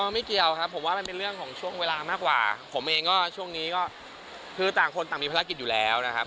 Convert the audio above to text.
ไม่เกี่ยวครับผมว่ามันเป็นเรื่องของช่วงเวลามากกว่าผมเองก็ช่วงนี้ก็คือต่างคนต่างมีภารกิจอยู่แล้วนะครับ